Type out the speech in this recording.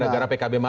gara gara pkb marah